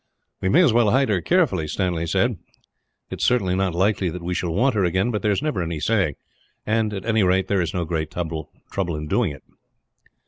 "We may as well hide her carefully," Stanley said. "It is certainly not likely that we shall want her again, but there is never any saying and, at any rate, there is no great trouble in doing it."